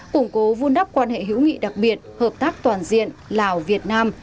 củng cố vun đắp quan hệ hữu nghị đặc biệt hợp tác toàn diện lào việt nam